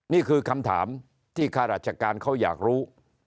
นี่คือคำถามที่ข้าราชการเขาอยากรู้